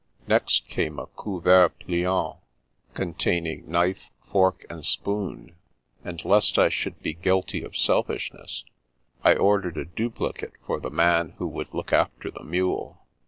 Next came a convert pliant, containing knife, fork, and spoon ; and, lest I should be guilty of selfishness, I ordered a duplicate for the man who would look after the mule.